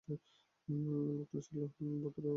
লোকটা ছিল ভদ্র, চলে গেল।